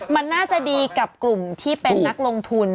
มันน่าจะดีกับกลุ่มที่เป็นนักลงทุน